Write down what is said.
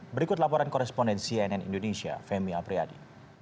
berikut laporan koresponden cnn indonesia femi apriyadi